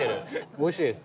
おいしいです。